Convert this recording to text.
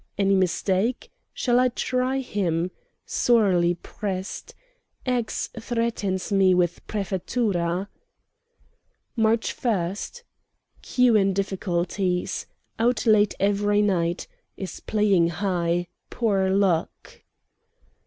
Any mistake? Shall I try him? Sorely pressed. X. threatens me with Prefettura. "March 1. Q. in difficulties. Out late every night. Is playing high; poor luck.